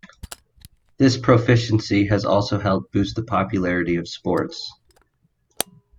This proficiency has also helped boost the popularity of sports.